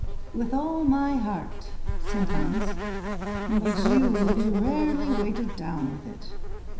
"With all my heart," said Hans; "but you will be rarely weighted with it."